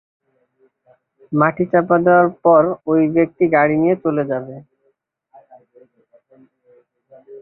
মাটি চাপা দেয়ার পর ওই ব্যক্তি গাড়ি নিয়ে চলে যাবে।